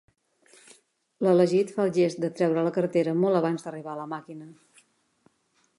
L'elegit fa el gest de treure la cartera molt abans d'arribar a la màquina.